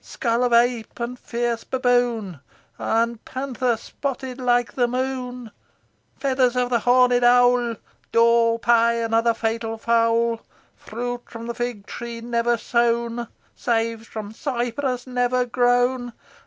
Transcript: Skull of ape and fierce baboon, And panther spotted like the moon; Feathers of the horned owl, Daw, pie, and other fatal fowl. Fruit from fig tree never sown, Seed from cypress never grown.